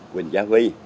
quỳnh gia huy